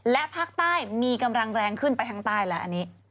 และภาคใต้มีกำลังแรงขึ้นไปทางใต้แล้วอันนี้